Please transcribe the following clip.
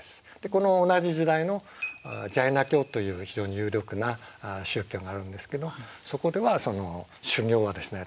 この同じ時代のジャイナ教という非常に有力な宗教があるんですけどそこでは修行はですね